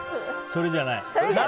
それじゃない？